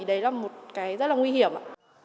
đấy là một cái rất là nguy hiểm ạ